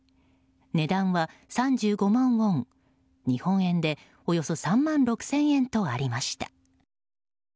値段は３５万ウォン日本円でおよそ３万６０００円とありました。